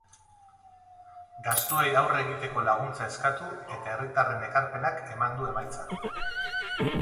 Gastuei aurre egiteko laguntza eskatu eta herritarren ekarpenak eman du emaitza.